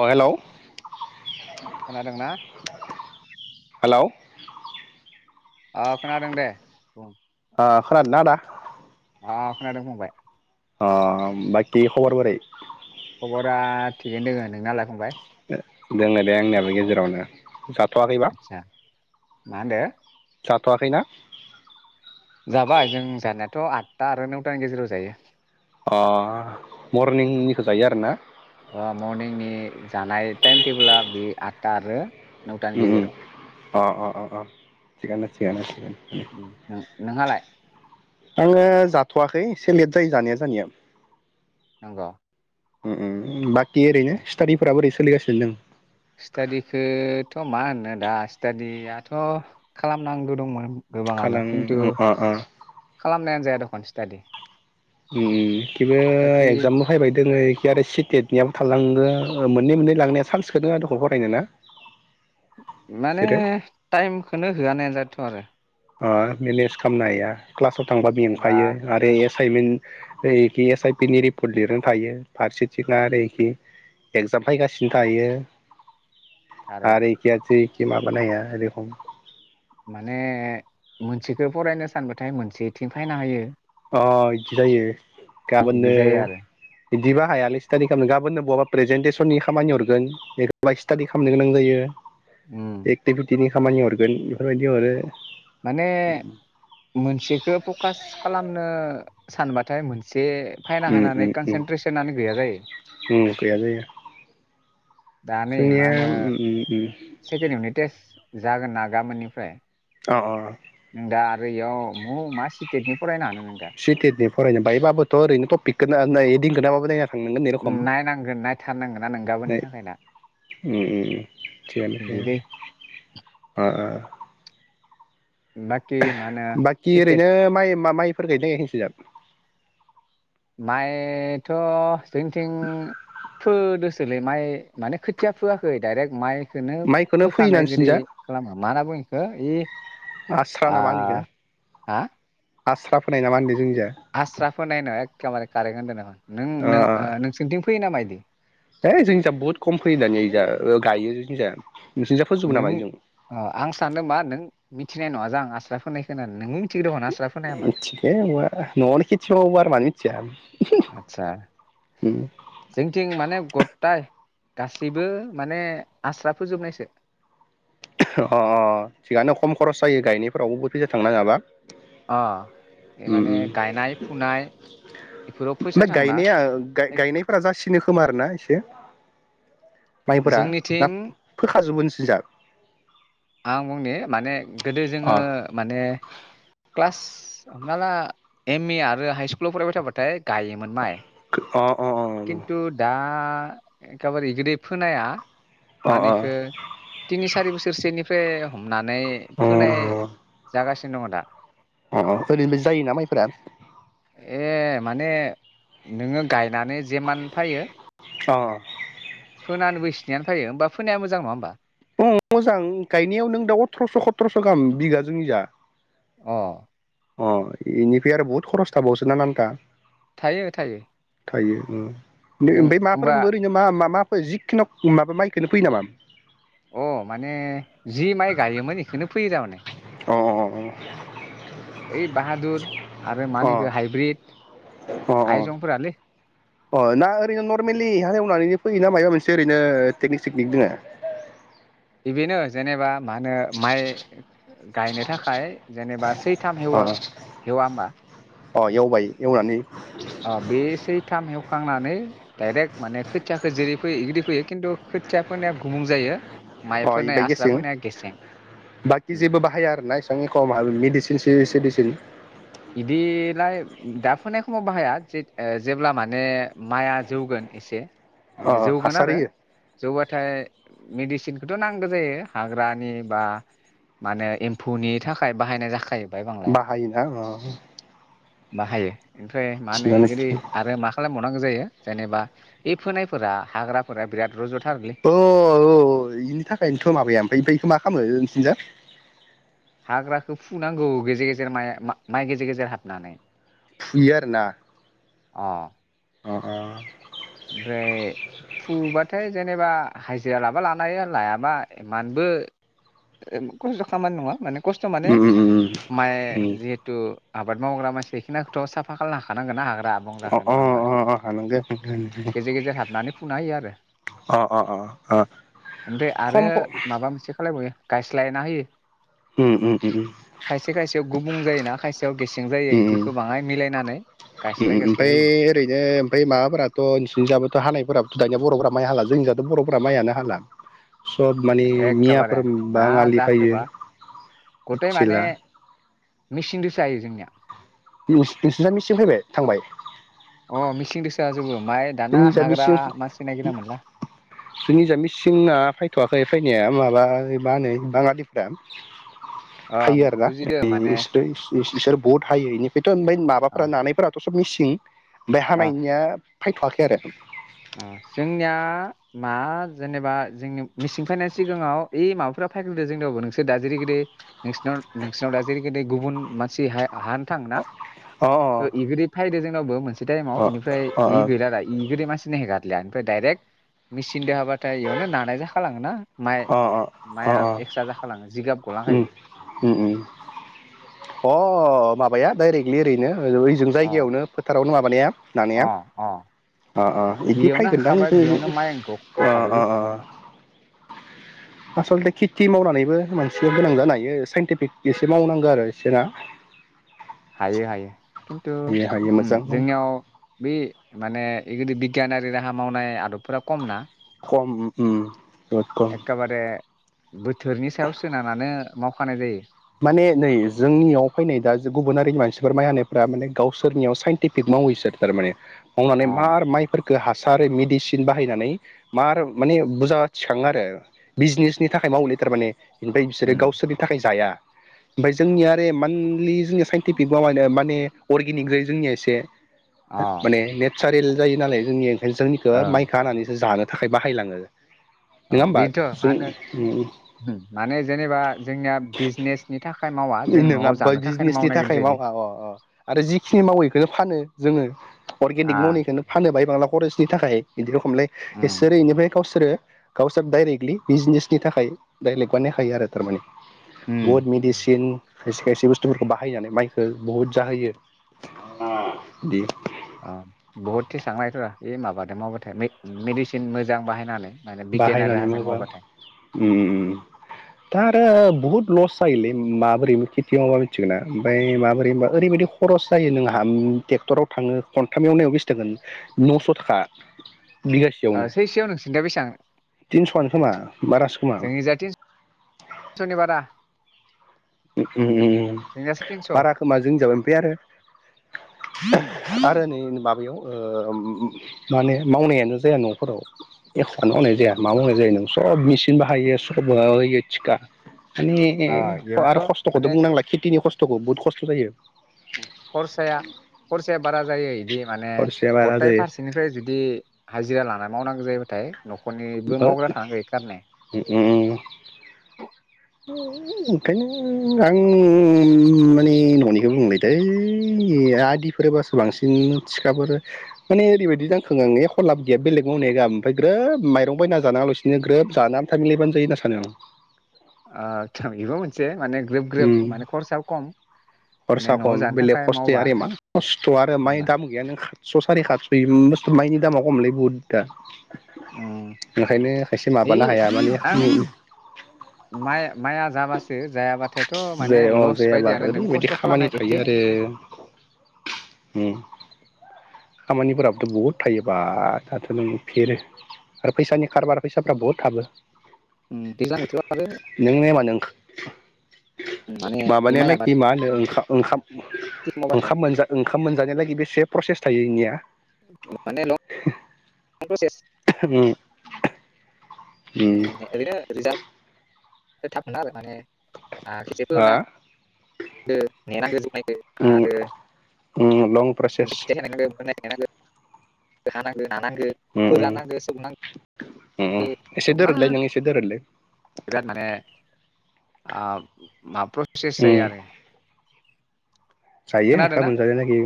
अ हेल। खोनादोंना। हेल' ओ खोनादों दे बुं। ओ खोनादोंना आदा। आ खोनादों फंबाय। अ बाखि खबर बोरै? खबरा थिगैनो दोङो नोंनालाय फंबाय। दङो दे आंनियाबो गेजेरावनो साब। आथसा मा होनदो? थवाखैना। जाबाय जों जानायाथ आदथा आरो नौथानि गेजेराव जायो। अ मरनिंनिखौ जायो आरोना। अ मरनिंनि जानाय टाइम टेबोला बे आदथा आरो नौटानि उम उम गेजेराव। अ अ अ थिगानो थिगानो। नोंहालाय। आङो जाथवाखै एसे लेट जायो जानाया जानिया। नंगौ। उम उम बाखि ओैरैनो सिटाडिफोरा बोरै? सोलिगासिनो दों। स्टादिखोथ' मा होनो दा स्टाादियाथ खालामनांगो दंमोन। गोबाङानो खालां खिन्थु अ अ खालामनाया। [inaudible] दख सटाडि उम बेबो एगजामाव फायबाय दोङो आरो सिटेटनियाबो थाललाङो मोननै मोननै लांनाया चान्सखौनो होया दख फरायनो ना। माने बिसोरो टाइमखौनो होआनायानो जाथ आरो। आ-मेनेज खालामनाय आ क्लासाव थांबा जेनेबा मेंफायो आरो एस साइनमेन्टखि एस आइ पि नि रिपर्ट लिरनो थायो फारसेथिं आरो एखै एक्जाम फैगासिनो थायो। थारैनो आरो ओइखियाथिं माबानाया एरै हम माने मोनसेखो फरायनो सानबाथाय मोनसेथिं फैना हायो। अ इदि जायो बिदि गाबोननो। जायो आरो बिदिबा हायालै स्टादि खालामनो गाबोननो बहाबा प्रेजेन्टेसननि खामानि हरगोन एबाय स्टाडि खालामनो गोनां जायो। उम एखतिबिथिनि खामानि हरगोन बेफोरबायदि हरो। माने मोनसेखो फकास खालामनो। सानबाथाय मोनसे जे फायना उम होनानै उम उम कनसेन्ट्रेसनानो गैया जायो उम गैया जायो दा नै मा जोंनिया होनो उम उम उम सेकेणड इउनिट टेस्ट जागोन ना गाबोननिफ्राय अ अ ओरैयाव म मा स्टेट नि फरायनो हानो। नों दा सिथे दे फरायनो बायायोबाबोथ ओरैनोटपिकखौ दिंगोनाबोनाया थांनांगोन ए रखम नायनांगोन नायथारनांगोन ना नों गाबोननि नै थाखाय दा ओ ओ थिगानोफ्राय बिदि दै ओओ बाखि मा होनो बाखि स्टेट ओरैनो माइ म माइ फोर गैनायखिसोजाब माइथ' जोंथिं फोदो सोलौ माइ माने खोथिया फोआखै डाइरेक्ट माइखौनो माइखौनो फैयो ना फोखानाय गोददि नोंसिनिजा खालामा मा होनना ब आस्रा बेखौ ना मा होनो इखो हा आस्रा फोनाय नामा होनदों। आस्रा फोनाय होनो [inaudible] खारेख होनदों नामा? नों नों ओ नोंसिनिथिं फैयो नामायदि है जोंनि जाया बहुत खम फैयो दानि जा गायो जोंनि जाया। नों आं सानो मा नों मिथि फिनाय नङा जां आस्रा फोननाय खोना नोंनि मिथिगो न'आवनि खिथि आरो मानि मिथिया। आतसा अ जोंनिथिं माने गथाय गासैबो माने आस्रा फोजोबनायसो अ अ थिगानो खम खरस जायो गायनायफोरावबो फैज थांनाङाबा। अ माने गायनाय फुनाय बेफोराव फैसा ओमफ्राय थांना। खोमार ना एसे। माइफोरा ना जोंनिथिं फोखाजोगबो सिन्जार आं बुंनि माने गोदो जोङो अ माने क्लास हमना ला एम ए आरो हाइ सकुलाव फरायबाय थाबाथाय गायोमोन माइ अ अ खिन्थु दा। एखे बारे जुदि फोनाया। अ माने इखौ थिनि सारि बोसोरसेनि। हमनानै फोनाय जागासिनो दङ दा। औ ओरैनो जायोना माइफोरा। ए माने नोङो गाइ माने जिमान फायो अ फोनाबो ए [unintelligible] फायो फोनाया मोजां‌ नङा ओमबा। अ मोजां गायनायाव नों दा अथ्रस' सथ्रस' गाहाम बिगा जोंनिया। अ। अ इनिफ्राय आरो बहुद खरस थाबावसो नाना नाथा। थायो थायो। थायो ओं। नों ओमफ्राय माफोर होमबा ओरैनो मा मा। जिखुनो माबा माइखौनो फैयो नामा। अ माने जि माइ गायोमोन बेखौनो फैयो थारमाने। अ। बै बाहादुर आरो अ मानिख हाइब्रिद। अ आइजंफोरालै। अ ना ओरैनो नरमेलि हालेवनानैनो फैयोना माबा मोनसे ओरैनो टेकनिक सेकनिक दङ। बेदिनो जेनेबा। मा होनो माइ। गायनो थाखाय जेनेबा सैथ ‌ थाम अ हेवा हेवा होमबा। अ एवबाय एवनानै। अ बे सैथाम हेवखांनानै डाइरेक्ट माने खोथियाखौ जेरै फैयो बिदि फैयो खिन्थु खोथिया फोननायाया गुबुं जायो। माइ अ फोनाय बायदि आस्रा गेसिं फोनाया गेसें बाखि उम जेबो बाहाया आरोना एसेबां एख मेडिसिन सि सिडिसिन। बिदिलाय दा फोनाय समाव बाहाया जे जेब्ला माने माइआ जौगोन एसे। अ माने जौगोन हासार आरो होयो जौबाथाय मेदिसिन। मिदिसिनखौथ' नांगौ जायो हाग्रानि बा मा होनो एम्फौनि थाखाय बाहायनाय जाखायो। बाहायोना। बाहायो। ओमफ्राय मा थिगानो होनो आरो मा खालाम बावनांगौ जायो। जेनेबा बे फोनायफोरा हाग्राफोरा बिराद रज'। अ बेनि थाखायनोथ' माबाया ओमफ्राय बेखौ मा खालामो। [unintelligible] हाग्राखौ फुनांगौ गेजेर गेजेर माइ माइ गेजेर गेजेर हाबनानै। फुयो आरोना। अ अ-अ ओमफ्राय फुबाथाय जेनेबा हाजिरा लाबा लानो हायो लायाबा इमानबो खस्थ' खामानि नङा माने खस्थ' माने उम उम माय जिहेतु आबाद मावग्रा मानसि बेखिनिखौथ' साफा खाला खानांगोन ना अ बंग्राखौ अ नङा होमबा अ अ हानांगोन गेजेर गेजेर हाबनानै फुना होयो आरो अ अ अ ओमफ्राय आरो खम खम माबा मोनसे खालायबावयो गायस्लायना होयो उम उम उम उम खायसे खायसेयाव गुबुं जायोना खायसे ओम ओम ओम ओम गायस्लाय गायस्लाय ओमफ्राय होयो ओरैनो ओमफ्राय माबाफोराथ' निबोथ' हानायफोराथ' दानिया बर'फ्रा माइ हाला जोंनिथ' बर'फ माइआनो हाला सब माने मियाफोर एखेबारे मा बाङालि फैयो जाखोबा गथाय माने मिथिला मेचिनदोसो हायो जोंनिया नोंसिना मिसिन फैबाय थांबाय अ मिसिंदोसो हाजोबो ओमफ्राय दाना जोंनिसाय हाग्रा मिसिं मानसि नागिरना मोनला जोंनिसाय मिसिंना फैथ'वाखै फैनाया माबा मा होनो बाङालिफ्रा अ हायो आरोना बुजिदो बि माने इसोरो इसोर बहुद हायो बेनिफ्रायथ' ओमफ्राय माबाफ्रा अ नानायफोराथ' मिसिं बे हानायनिया फायथ'वाखै आरो ओम जोंनिया मा जेनेबा जोंनि मिसिं फायनायनि सिगाङाव इ माबाफोरा फायग्रोदो जोंनियावबो नोंसोर दा जेरै गिदै नोंसिनाव नोंसिरनाव दा जेरैगिदै गुबुन मानसि हा हानो थाङो ना अ इगदि फैदो जों [unintelligible] मोनसे बे अ टाइमाव इनिफ्राय इ अ गैलालाय इ गोदो मानसि गारलियाफ्राय ओमफ्राय दडायरेक्ट मिसिनजों हाबाथाय इयावनो नानाय जाखलाङो ना अ माइ-माइआ एक्सट्रा जाखालाङो जिगाब ओम गलांखायो ओम ओम अ माबाया डाइरेक्टलि ओरैनो ओलौ ओइजों अ जायगायावनो फोथारावनो माबानाया नानाया अ अ ओ ओ इदि बेयावनो फैगोनदां हाखाबाय जोंनि बेयावनो माइ ग ओ ओ गखाबायलै ओ आस'ल'थे थि मावनानैबो मानसिया गोनां जानो हायो साइन्टिफिक एसे मावनांगौ आरो जेरा हायो हायो। खिन्थु ओम मोजां जोंनियाव बे माने एगिदि बिगियानारि राहा मावनाय आदबफोरा खम ना खम उम बुहुत खम एखेबारे बोथोरनि सायाव सोनारानो मावखानाय जायो। माने नै जोंनियाव फैनाय दा गुबुन हारिनि मानसिफोर माइ हानायफ्रा माने गावसोरनियाव साइन्टिफिक मावो इसोर थारमाने हमावनानै अ मार माइफोर खो हासार मेडिसिन बाहायनानै मार माने बुजा थिखाङो आरो बिजनेसनि थाखाय मावोलै थारमाने ओमफाय उम बिसोरो गावसोरनि थाखाय जाया। ओमफाय जोंनिया आरो एमान मुलि जोंनिया साइन्टिफिक माबानो माने अर्गेनिक जायो जोंनिया एसे अ माने ने सारेल जायो नालाय जोंनि जोंनिखो ओं माइखो हानानैसो जानो थाखाय बाहायलाङो अ नङा होमबा बेथ' मा जों होनो उम माने जेनेबा जोंनिया बिजनेस नोंङाबा बिजनेसनि नागिर थाखाय जायोलै मावा अ अ आरो जिखिनि मावो इखोनो फानो। जोङो आ अर्गेनिक मावनिखौनो फानहोबाय बांला खरसनि थाखाय बिदि खमलै उम इसोर इनिफ्राय गावसोरो गावसोर डाइरेक्टलि बिजनेसनि थाखाय डायरेक्ट बानायखायो आरो थारमाने। उम अद मिडिसि उम खायसे खायसे बुस्थुफोरखौ बाहायनानै माइखो बुहुद जाहोयो [unintelligible] ओ बहुद थेसां माइफोरा ओय माबादों माबाथाय मे-मेडिसिन मोजां बाहायनानै माने बिगियानारि बाहायनानै राहाजों मावोबा मावबाथाय उम दा आरो बुहुत लस जायोलै माबोरै खेथि मावबा मिथिगोना ओमफाय माबोरै होनबा ओरैबायदि खरस जायो नोंहा उम टेक्टराव थाङो खन्थाम एवनायाव बेसे थांगोन नौस' थाखा। ओ सैसेयाव नोंसिना थिनस'आनो खोमा बारासो खोमा जोंनिजा थिन सनि बारा उम जोंनियासो तिनस' ओ [unintelligible] आरो नै माबायाव ओ माने मावनायानो जाया न'फोराव एख'नो मावनाय जाया मा मावनाय जायो नों सब मेचिन बाहायो सब होयो थिखा। माने आरो इयावनोथ' खस्थ'खौथ' माने बुंनांला खेथि खस्थ'खौ बुहुत खस्थ' जायो। खरसाया खरसाया बारा जायो इदि माने खरसाया बारा गथथाय जायो फारसेनिफ्राय जुदि हाजिरा लाना मावनांगौ जायोब्लाथाय नखरनिबो मावग्रा थानांगै इखारने उम उम ओंखायनो आं माने न'निखौ बुंलाय दै आदिफोरोबासो बांसिन थिखाफोर माने ओरैबायदि नांखांऔ आं एख लाब गैया बेलेग मावनाय गाहाम ओमफ्राय ग्रोब माइरं बायना जानाङालासिनो ग्रोब जानानै थां मिलायबानो जायो होना सानो आं। आदसा बेबो मोनसे माने ग्रोब ग्रोब उम माने खरसायाव खम माने खरसा न'आव खम जानो बेलेग थाखाय खस्थ‌ मावबा आरो इमान खस्थ आरो नङा माइ होमबा दाम गैयानो ओंखार स सारि बस्थु माइनि दामा खमलै बहुद दा उम ओंखायनो खायसे ओइ माबानो हाया माने‌ आं जायाबाथाय जाया अ जायाब्ला ओरैबायदि खामानि खालामनाय एखे थायो आरो उं खामानिफोराबोथ बहुद थायो बा दाथ नों फेरो आरो फैसानि खारबार फैसाफ्रा बहुद थाबो। उं‌ दैज्लां बोथोराव आरो माने [unintelligible] माइ आबाद माबानायलागि मा होनोओंखाम खेथि मावबाथाय ओंखाम ओंखाम ओंखाम मोनजानायलागि बेसे प्रसेस थायोनिया माने लंप्रसेस [unintelligible] उम उम [unintelligible] माने आ हा [unintelligible] नेनांगोन [inaudible] आरो उं [unintelligible] हा नांगो नानांगो उम उम फोरानांगो उम उम सौनांगौ एसे मा दोरोदलाय नों एसे दोरोदलाय बिराद माने आ माबा प्रसेस जायो उम आरो जायो खोनादों ओंखाम ना मोनजानाय नागि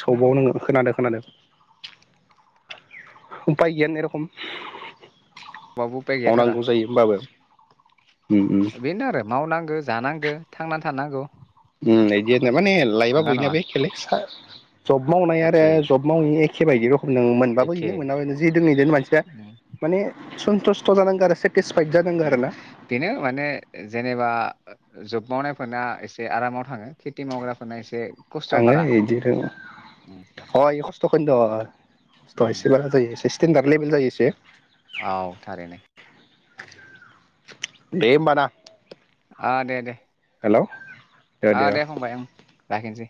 सबाव नोङो खोनादो खोनादों उफाय गैया होननाय रखम बाव उफाय गैयाथारा मावनांगौ जायो होमबाबो उम उम बेनो आरो मावनांगौ जानांगौ थांना थानांगौ। उम एदि माने लायोबा नंगोना नङा बयनाबो एखेलै सा जब मावनाय आरो एखे जब मावै एके एखे बायदि र नों मोनबाबो एखे इनो मोनबाबो इनो जि दों इदोनो मानसिफया उम, माने सन्तस्थ' जानांगोन आरो से बेनो माने जेनेबा। जब मावनायफोरना एसे आरामाव थाङो खेथि मावग्राफोरना एसे। खस्थ' थाङो बारा इदि रों उम, अ इ खस्थ'। थखन द। थ उम। एसे बारा जायो एसे। स्टेनडार लेबेल जायो एसे। औ थारैनो। दे होमबाना। अ दे-दे। हेलौ। आ दे फंबाय ओं। लाखिसै।